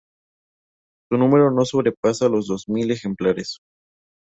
Su número no sobrepasa los dos mil ejemplares.